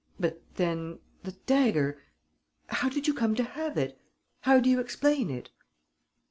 But then the dagger ... how did you come to have it ...? How do you explain it?..."